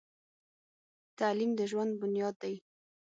تعلیم د ژوند بنیاد دی.